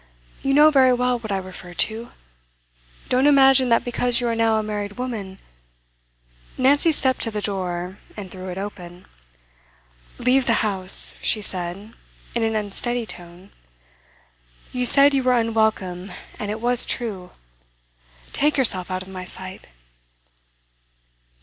You know very well what I refer to. Don't imagine that because you are now a married woman ' Nancy stepped to the door, and threw it open. 'Leave the house,' she said, in an unsteady tone. 'You said you were unwelcome, and it was true. Take yourself out of my sight!